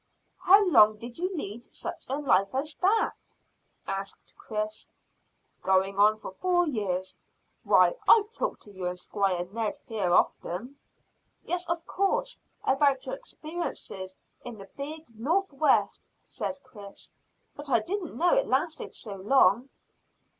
"How long did you lead such a life as that?" asked Chris. "Going on for four years. Why, I've talked to you and Squire Ned here often." "Yes, of course, about your experiences in the big north west," said Chris; "but I didn't know it lasted so long."